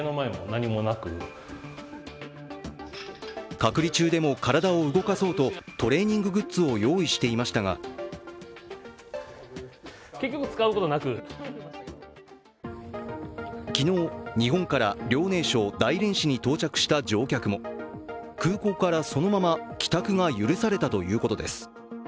隔離中でも体を動かそうとトレーニンググッズを用意していましたが昨日、日本から遼寧省大連市に到着した乗客も、空港からそのまま帰宅が許されたということです。